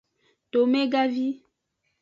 Tomegavi.